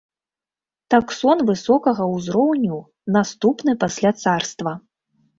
Таксон высокага ўзроўню, наступны пасля царства.